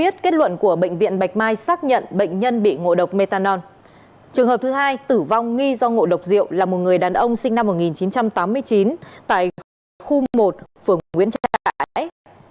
trường hợp thứ hai tử vong nghi do ngộ độc rượu là một người đàn ông sinh năm một nghìn chín trăm tám mươi chín tại khu một phường nguyễn